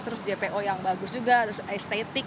terus jpo yang bagus juga terus estetik